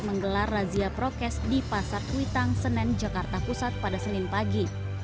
menggelar razia prokes di pasar kuitang senen jakarta pusat pada senin pagi